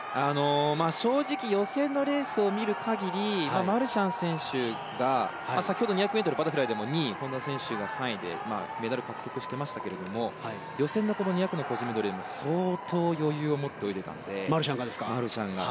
正直予選のレースを見る限りマルシャン選手が、先ほどの２００ｍバタフライでも２位本多選手が３位でメダル獲得していましたが予選の２００の個人メドレーも相当、余裕を持って泳いでいたので、マルシャンが。